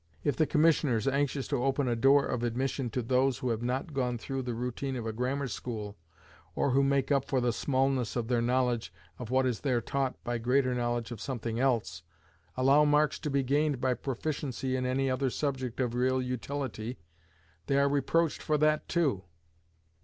If the Commissioners anxious to open a door of admission to those who have not gone through the routine of a grammar school, or who make up for the smallness of their knowledge of what is there taught by greater knowledge of something else allow marks to be gained by proficiency in any other subject of real utility, they are reproached for that too.